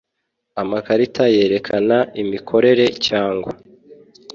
amakarita yerekana imikorere cyangwa